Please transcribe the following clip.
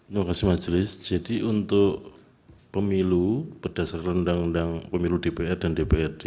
terima kasih majelis jadi untuk pemilu berdasarkan undang undang pemilu dpr dan dprd